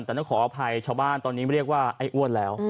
แต่ต้องขออภัยชาวบ้านตอนนี้เรียกว่าไอ้อ้วนแล้ว